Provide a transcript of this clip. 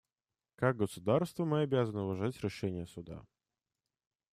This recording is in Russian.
Как государства мы обязаны уважать решения Суда.